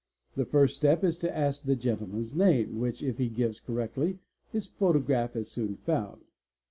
The first step is to ask the gentleman's name, which if he gives correctly his photograph is soon found.